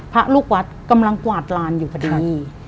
พระลูกวัดกำลังกวาดลานอยู่พอดี